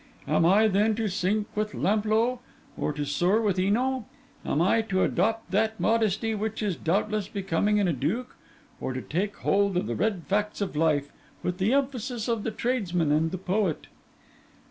Am I, then, to sink with Lamplough, or to soar with Eno? Am I to adopt that modesty which is doubtless becoming in a duke? or to take hold of the red facts of life with the emphasis of the tradesman and the poet?